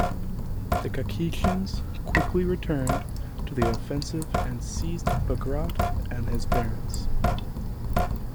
The Kakhetians quickly returned to the offensive and seized Bagrat and his parents.